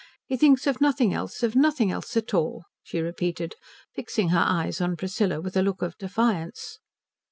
He thinks of nothing else of nothing else at all," she repeated, fixing her eyes on Priscilla with a look of defiance.